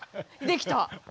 できた。